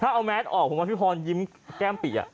เอาแมสออกผมว่าพี่พรยิ้มแก้มปิ